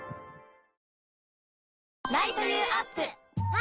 あ！